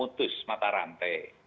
memutus mata rantai